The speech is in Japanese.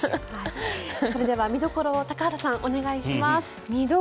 それでは見どころを高畑さんお願いします。